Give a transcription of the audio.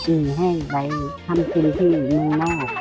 แห้งไปทำกินที่เมืองนอก